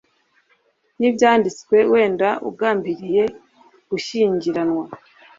n'ibyanditswe, wenda ugambiriye gushyingiranwa